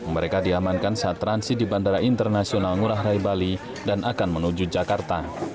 mereka diamankan saat transi di bandara internasional ngurah rai bali dan akan menuju jakarta